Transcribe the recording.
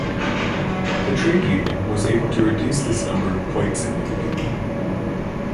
The trade union was able to reduce this number quite significantly.